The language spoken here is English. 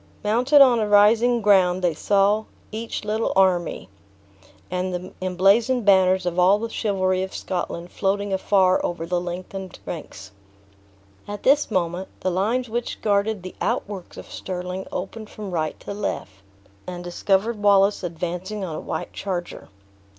Mounted on a rising ground, they saw each little army, and the emblazoned banners of all the chivalry of Scotland floating afar over the lengthened ranks. At this moment, the lines which guarded the outworks of Stirling opened from right to left, and discovered Wallace advancing on a white charger.